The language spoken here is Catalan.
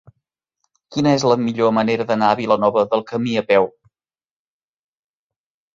Quina és la millor manera d'anar a Vilanova del Camí a peu?